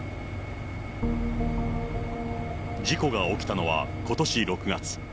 事故が起きたのは、ことし６月。